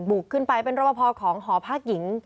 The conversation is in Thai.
บุกขึ้นไปเป็นรอปภของหอพักหญิง